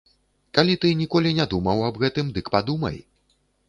Калі ты ніколі не думаў аб гэтым, дык падумай.